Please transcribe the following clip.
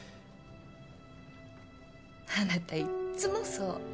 あなたいっつもそう。